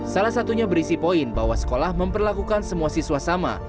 salah satunya berisi poin bahwa sekolah memperlakukan semua siswa sama